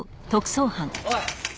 おい。